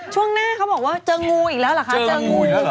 ช่วงหน้าเขาบอกว่าเจองูอีกแล้วเหรอคะเจองู